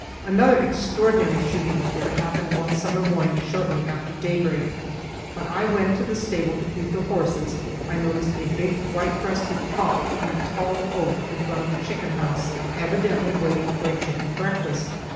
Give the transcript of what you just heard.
Another extraordinary shooting affair happened one summer morning shortly after daybreak. When I went to the stable to feed the horses I noticed a big white breasted hawk on a tall oak in front of the chicken house, evidently waiting for a chicken breakfast.